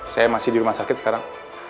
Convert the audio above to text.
saya masih di rumah sakit sekarang